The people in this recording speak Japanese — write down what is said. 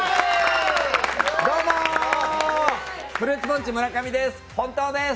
どうも、フルーツポンチ村上です本当です。